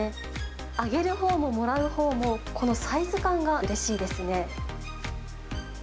あげるほうももらうほうも、このサイズ感がうれしいですね。